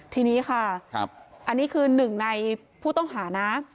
ทีนี้ค่ะอันนี้คือหนึ่งในผู้ต้องหานะ